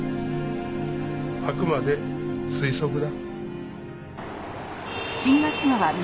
あくまで推測だ。